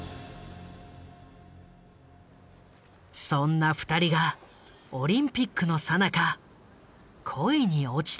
そんな２人がオリンピックのさなか恋に落ちた。